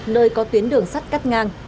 nơi có tuyến đường sắt cắt ngang